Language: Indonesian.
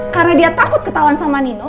karena dia takut ketahuan sama nino